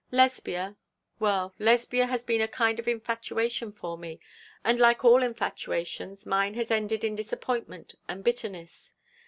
Lesbia well, Lesbia has been a kind of infatuation for me, and like all infatuations mine has ended in disappointment and bitterness.